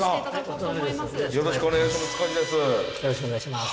よろしくお願いします。